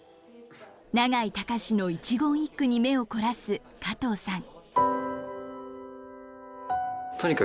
永井隆の一言一句に目を凝らす加藤さん。